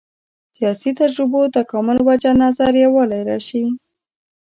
سیاسي تجربو تکامل وجه نظر یووالی راشي.